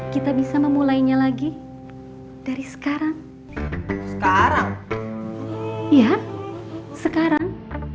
kita bisa memulainya lagi dari sekarang sekarang ya sekarang